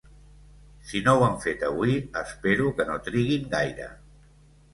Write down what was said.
Si no ho han fet avui, espero que no triguin gaire.